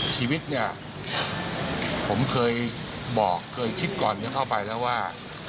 ชีวิตเนี่ยผมเคยบอกเคยคิดก่อนจะเข้าไปแล้วว่า